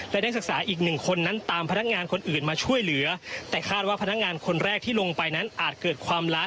และนักศึกษาอีกหนึ่งคนนั้นตามพนักงานคนอื่นมาช่วยเหลือแต่คาดว่าพนักงานคนแรกที่ลงไปนั้นอาจเกิดความล้า